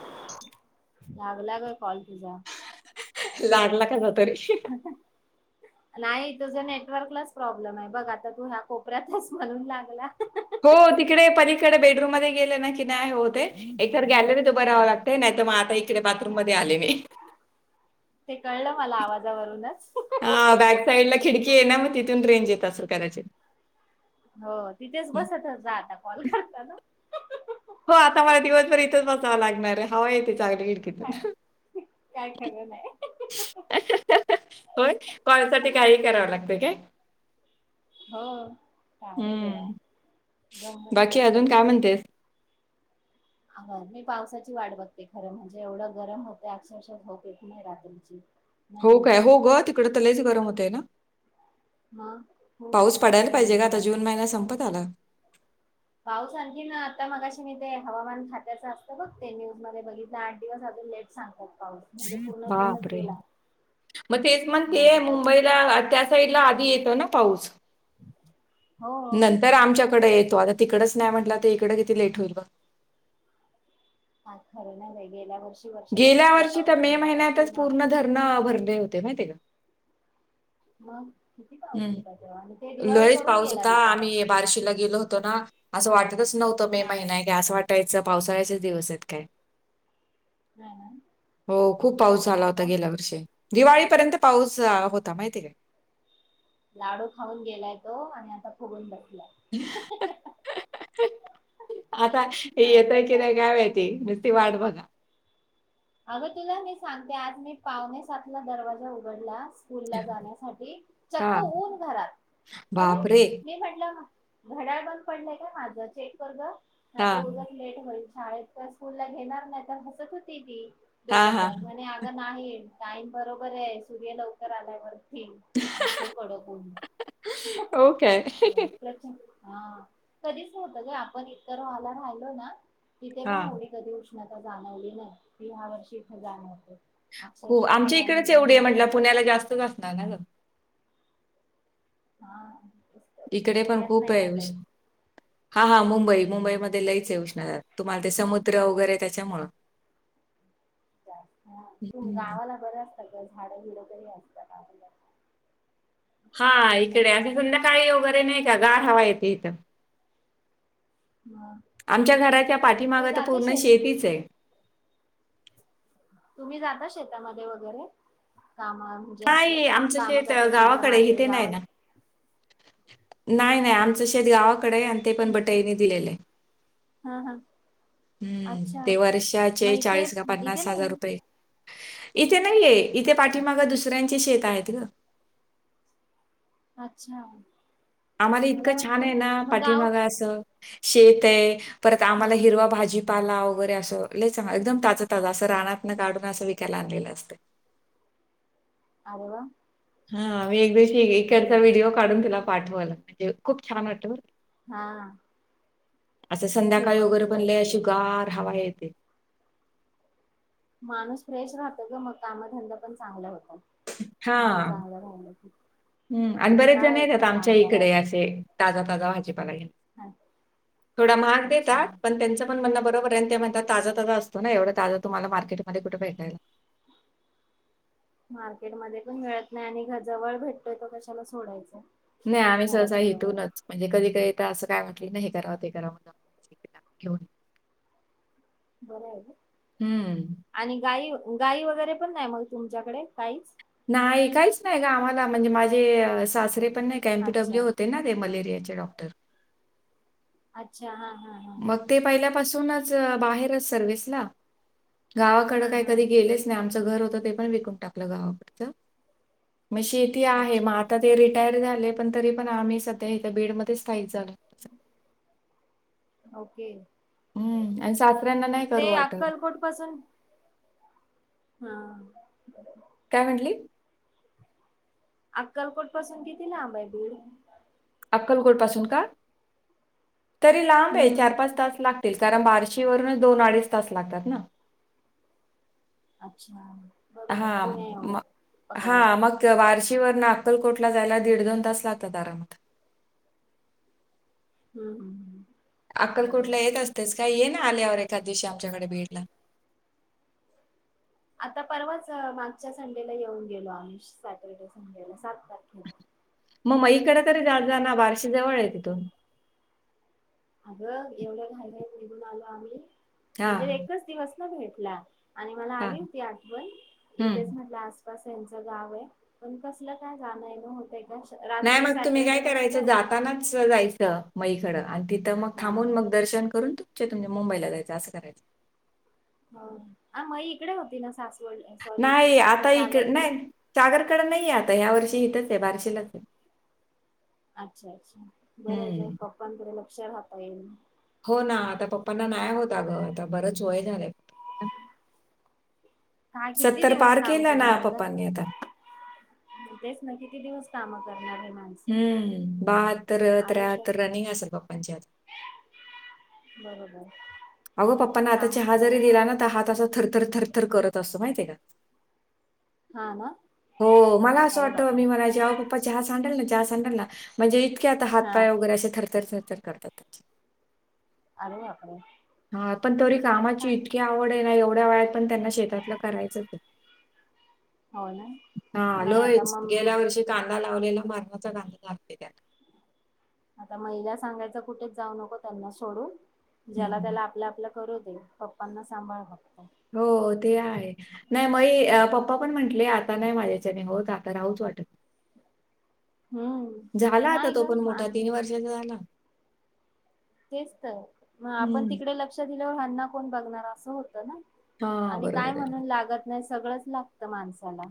[inaudible] लागला का कॉल तुझा लागला कसा तरी नाही तुझ नेटवर्कलाच प्रॉब्लेम आहे बघ आता तू ह्या कोपऱ्यात आहेस म्हणून लागला हो तिकडे पलीकडे बेडरूम मध्ये गेले ना की नाही होत आहे इथं गॅलरी त उभं राहावं लागतय नाही तर मग आता इकडे बाथरूम मध्ये आले मी ते कळलं मला आवाजावरूनच हा बॅक साइड ला खिडकी आहे ना मग तिथून रेंज येत असेल कदाचित हो तिथेच हं. बसत जा आता कॉल करताना हो आता मला दिवसभर इथंच बसावं लागणार आहे हवा येते चांगली खिडकीतून काय खरं नाही होय कोणासाठी काही करावं लागतंय का? हो कारे देव्हा हम्म गहमत बाकी अजून काय कायचलेल म्हणतेस आ मी पावसाची वाट बघते खरं म्हणजे एवढं गरम होतय अक्षरशः होऊक एक नाही रात्रीची ना हो काय दिवसा हो ग तिकडं त लयच गरम होतय ना. मग खूप पाऊस भयानक पडायला पाहिजे ग गरमी आता वाढल्या. जून महिन्यात संपत आला. पाऊस आणखीन न आता मगाशी मी ते हवामान खात्याचं असतं बघ ते न्यूज मध्ये बघितलं आठ दिवस आजू न लेट सांगत. बापरे मग तेच मण म्हणजे ते काय मुंबईला आ त्या साईड ला आधी येतो ना पाऊस. हो नंतर आमच्याकडे ये तो आता तिकडच नाही म्हटलं तर इकडे किती लेट होईल ब घा काय खर नाही बाई, गेल्यावर गेल्या वर्षी तर मे महिन्यातच ना पूर्ण धरण भरले होते माहिती हाय काय. मग किती पाऊस होता तेव्हा आणि ते दिवाळी लयच करून पाऊस गेला होता बिचारा. आम्ही बार्शीला गेलो होतो ना. असं वाटतच नव्हतं मे हा महिना काय असं वाटायचं पावसाळ्याचे दिवस आहेत काय. नाही ना हो खूप पाऊस आणि झाला होता आता गेल्या वर्षी. दिवाळीपर्यंत पाऊस होता माहिती काय. लाडू खाऊन गेलाय तो आणि आता फुगून बसला य आता येतोय की नाही काय माहिती. वाट बघा. अगं तुला मी सांगते आज मी पावणे सातला दरवाजा उघडला. स्कूलला जाण्यासाठी हा चक्क ऊन घरात अरे बापरे! मी म्हटलं घड्याळ बंद पडलाय का माझं चेक कर नाही हा आता उद्या लेट होईल. शाळेच्या स्कूलला घेणार नाही ती हसत होती ती हा हा दोघेपण म्हणे ग नाही टाईम बरोबर आहे सूर्य लवकर आल्यावर ती असं कडक ऊन ओके प्रचंड. हा कधी नव्हतं ग आपण इतर आला राहिलो ना तिथे हा पण एवढी कधी [unintelligible] उष्णता जाणवली नाही ती ह्या वर्षी इथे जाणवते. खूप अक्षरशः मे आमच्या आणि इकडेच एवढी जून आहे नको म्हंटलं नको पुण्याला झालं जास्तच असणार ना ग. हा इकडे पण पुण्यात खूप नाही आहे् मुंबईत हा हा मुंबई मुंबई मुंबईमध्ये लईच आहे उष्णता. तुम्हाला ते समुद्र वगैरे त्याच्यामुळं. जास्त तु हम्म. गावाला बरं असत ग झाड झुड तरी असतात गावाला. हा इकडे असं संधाकाळी वगैरे नाही का गार हवा येते इथं. मग आमच्या घरात या पाठीमाग तू तर जाते पूर्ण शेत शेतीच आहे. तुम्ही जाता शेतामध्ये वगैरे. काम म्हणजे असं नाही आमचं काम शेत अ, करतात त्यांच्या गावाकडे आहे, मागे इथे जाव नाही ना नाही नाही आमचं शेत गावाकडे आहे आणि ते पण बटाईने दिलेलं आहे. हम हम हम्म ते वर्षाचे इथे चाळीस का इथे पन्नास हजार नाही रुपये. इथे नाहीय इथे पाठीमागे दुसऱ्यांचे शेत आहेत ग अच्छा आम्हाला इतकं मला छान आहे वाटलं ना मग गाव पाठीमागेअसं शेत आहे. परत हा आम्हाला हा हिरवा भाजी पाला वगैरे असं लय चांगलं एकदम ताजं ताज असं रानान काढून असं विकायला आणलेलं असते. [unintelligible] आरे वा. हा मी एक दिवशी इकडचा बरं व्हिडिओ काढून तूला पाठव म्हणजे खूप छान वाटतं. हा असं संध्याकाळी हिरवळ वगैरे हिरवळ पण अशी सगळं गार हवा येते. माणूस फ्रेश राहतो ग मग कामधंदा पण चांगला होतो. मन चांगलं राहिलं की. हम्म आणि बरेच जण कंटाळा येत येतात नाही काम आमच्या इकडे करायला असे ताजा ताजा भाजी पाला घेऊन थोडा महाग देतात, अच्छा पण त्यांच पण म्हणणं पर्यंत म्हणात ताजा ताजा असतो ना एवढा ताजा तुम्हाला मार्केटमध्ये कुठे भेटेल. [inaudible] मार्केटमध्ये पण मिळत नाही आणि जवळ भेटतोय तो कशाला सोडायच. नाही. आम्ही सहसा इथूनच म्हणजे कधी काही आता असं काय वाटलं नाही हे करावं ते करावं जा घेऊन बरं आहे. हम्म. आणि गाई गाई वगैरे पण नाही मग तुमच्याकडे काहीच नाही काहीच नाही ग आम्हाला म्हणजे माझी सासरे पण नाही का एमपीडब्ल्यू अच्छा होते ना ते मलेरियाचे डॉक्टर. अच्छा हा हा. हा मग ते पहिल्यापासूनच बाहेरच सर्विसला गावाकड हा काही कधी हा गेलेच नाही. आमचं घर होतं ते पण विकून टाकलं गावाकडचं. मग शेती आहे. मग अच्छा आता ते रिटायर झाले, पण तरी पण आम्ही सध्या इथे बीड मध्ये स्थायिक झालो. ओके. हम्म आणि सासऱ्यांना नाही करू ते वाटत. अक्कलकोट पासून हा. काय म्हंणली? अक्कलकोट पासून कितीला लांब आहे बीड? अक्कलकोट पासून का? तरी लांब आहे हम्म चार पाच तास लागतील. कारण बार्शीवरून दोन, अडीच तास लागतात ना. अच्छा. हा बरोबर पुण्या एवढं म हा पकडायचं मग वार्षि की ववर ना अक्कलकोट ला जायला दीड, दोन तास लागतात आरामात. हम्म. अक्कलकोट बरोबर येत असतेच काय ये ना आल्यावर एखाद दिवशी आमच्याकडे बीड ला. आता परवाच मागच्या संडेला येऊन गेलो आम्ही सॅटर्डे, संडेला तारखेला मग मईकडे तरी दात जा ना बारशी जवळ आहे तिथून. अगं एवढं घाय घई निघून आलो आम्ही म्हणजे हां, एकच दिवस ना भेटला. आणि मला हां, आली होती आठवण इथेच हं. म्हटलं अस च गाव आहे पण कसलं काय जाण येणं होतं. नाही मग तुम्ही काय करायचं जातानाच जायचं मै कडं. तिथं मग हा थांबून मग दर्शन करून तुमचे तुम मुंबईला जायचं असं करायचं. ह आ मही इकडे होती ना सास नाही. आता इक नाही सागरकड नाही आ आता ह्या वर्षी इथच आहे बारशीलाच. अच्छा अच्छा. बर हं. पप्पांकडे लक्षात राहता येईल. हो ना आता पप्पांना नाही होता ग आता बरंच वय झालंय हा किती सत्तर दिवस पार काम केलं ना करणार ग पप्पांनी आता का तेच ना किती दिवस. काम करणार आहेत. हम्म बाहत्तर, आयुष्य त्रेहात्तर रनिंग असल पप्पांची आ बरोबर. अगं पप्पाना आता कामच चहा जरी दिला करत ना तर हात असा थरथर थरथर करत असतो माहिय का. हा ना हो मला असं अरे वाटतं बापरे मी मला जेव्हा पप्पा चहा सांडल ना चहा सांडाल ना म्हणजे इतके आता हात हा पाय वगैरे असे थरथर करतात. अरे बाप रे! हा पण तरी कामाची इतकी आवड आहे ना एव ढा या वयात पण त्यांना शेतातलं करायचंच आहे. हो ना हा नाही आता लोयच मग गेल्या वर्षी कान डा लावलेला मारण्याचा गांध लागते त्याला आता महिला सांगायच कुठेच जाऊ नको त्यांना सोडून ज्याला हम्म. त्याला आपल्या आपल्या करू दे पप्पांना सांभाळ फक्त. हो ते आहे नाही म ए पप्पा पण म्हटले आ ता नाही माझ्याच्याने होत आता राहूच वाटत. हम्म झाला आता नाही तो ग पण मोठा मान- तीन वर्षाचा झाला. तेच तर म आपण हम्म. तिकडे लक्ष दिल्यावर ह्यांना कोण बघणार असं होतं ना. हां, आणि काय बरोबर आहे. म्हणून लागत नाही सगळंच लागतं माणसाला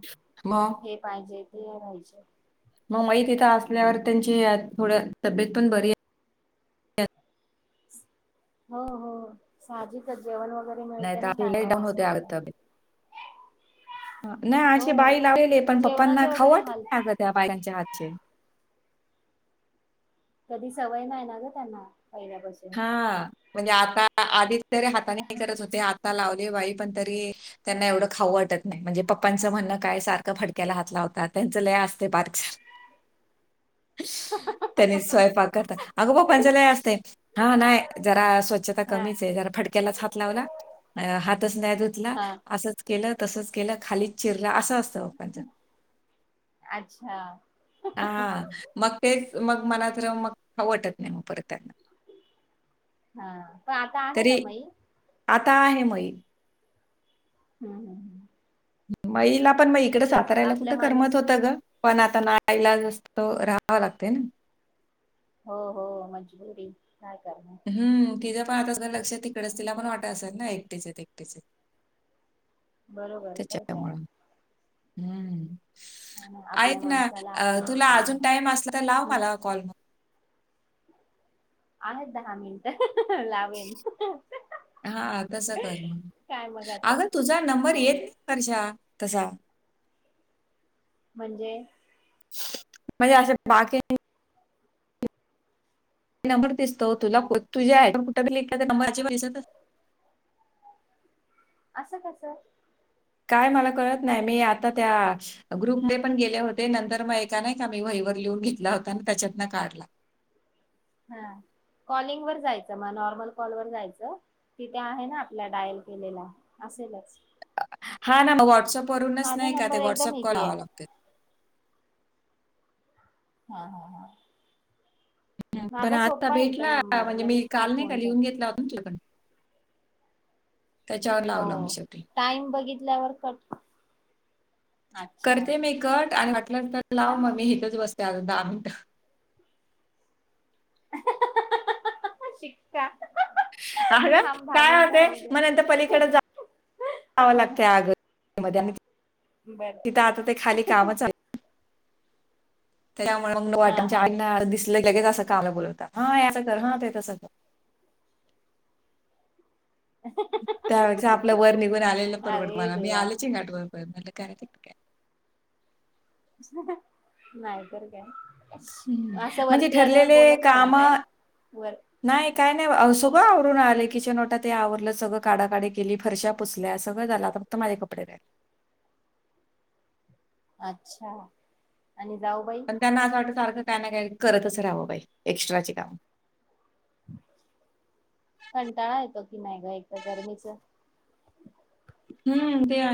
मग हे पाहिजे ते राहिजे. मग मई तिथं असल्यावर त्यांची थोड्या तब्येत पण बरी हो हो साजी तर जेवण वगैरे मिळतं नाहीतर ना आपली लई टायमला डाऊन असं होते अगं होतं. तब्येत. हा नाही अशी बाई हो लावलेले पण पप्पांना जेवणाचे वगैरे खाऊवटत हाल नाही अगं त्या बाईकांच्या हातचे. कधी सवय नाही ना ग त्यांना. पहिल्यापासून हा म्हणजे आता आधीच जरी हाताने करत होते आ ता लावली बाई पण तरी त्यांना एवढं खाऊ वाटत नाही म्हणजे पप्पांचं हा. म्हणण काय सार फडक्याला हात लावतात होता त्यांचा लय असते. [unintelligible] त्यानी स्वयंपाक करता अगो पप्पांच्या लय असते. हा नाही जरा स्वच्छता हा कमीच आहे जरा फडक्यालाच हात लावला हातच नाय धुतला हा असचं केलं तसचं केलं खालीच चिर असं असतं पप्पांच्या अच्छा हा मग ते मग मला तर मग खाउ वाटत नाही मग परत त्यांना. हा पण आता आहे तरी ना मई? आता आहे मई. हम्म हम्म. मईला पण मग इकडे तेच सातारायला आपला कुठं करमत माणूस होतं ग. पण आता नाईला जस तो राहावा लागते ना. हो हो मजबुरी. काय करणार हम्म, तिच्यां पण आताच लक्षात तिकडेच तिला पण वाटय असल ना एकटेच आहेत एकटेच आहेत. बरोबर तर काय. त्याच्यामुळं. हम्म. हा ना, आपल्या ऐक ना माणसाला आपण तुला सांभाळ अजून टाइम असला तर लाव हम्म, मला कॉल मग. आहेत दहा मिनिट लावेल. हा तसं कर म मग आता अगं तुझा नंबर हो येत नाय वर्षा. तसाव म्हणजे म्हणजे असे बाकी ते नंबर दिसतो तुला तुझे आहे [unintelligible] कुठ नंबरची [unintelligible] दिसत [unintelligible] असं कस काय मला कळत नाही मी आता त्या ग्रुपमध्ये पण गेले होते. नंतर मग एका नाही का मी वही लिहून घेतला होता त्याच्यातन काढला. हा कॉलिंगवर जायचं मग नॉर्मल कॉलवर जायचं तिथे आहे ना आपल्या डायल केलेला, असेलच. हा ना मग व्हॉट्सअप वरूनच माझा नाही का ते नंबर एकदम व्हॉट्सअप कॉल इझी आहे लावावा लागतेत. हा, हा, हा. पण माझा आत्ता सोपा आहे एकदा भेटला नंबर म्हणजे मी लगेच काल पाठ नाही का होऊन जाईल लिहून घेतला होता तुझ्याकडनं. त्याच्यावर हो लावला मग शेवटी टाइम बघितल्यावर कट अच्छा करते मी कट आणि वाटल्यानंतर लाव काय मग मी माहिती इथंच बसते अजुन दहा मिनटं. शिक्का अग थांब दहा काय मिनिटं होतेय होऊ दे मग नंतर पलीकडे जा जावं लागत आग. [unintelligible] आणि बर तिथं आता ते खाली काम चाले त्यामुळे हा हा मग [unintelligible] दिसलं की लगेच असं कामाला बोलवता. हा हे असं कर हा ते तसं कर. त्यापेक्षा आपलं वर निघून आलेलं परवडत अरे मला मी देवा आलेच नाटवर मग म्हंटल काय तर काय. नाही तर काय. हं असं म्हणजे वरती आल्यावर ठरलेले बोलत नाही ना काम काय वर नाही काय नाही सगळं आवरून आले. किचओटा तेन आवरलं, सगळं काडाकाडी केली, फरश्या पुसल्या सगळं झालं आता फक्त माझे कपडे राहिले. अच्छा. आणि जाऊबाई पण त्यांना असं वाटत सारखं त्यांना काय करतच राहावं बाई एक्स्ट्राची काम कंटाळा येतो की, नाही ग एक तर गरमीच हम्म ते आहे.